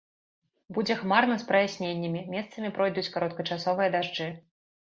Будзе хмарна з праясненнямі, месцамі пройдуць кароткачасовыя дажджы.